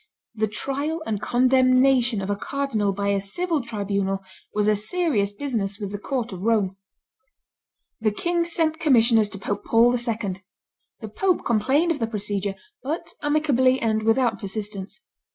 The trial and condemnation of a cardinal by a civil tribunal was a serious business with the court of Rome. The king sent commissioners to Pope Paul II.: the pope complained of the procedure, but amicably and without persistence.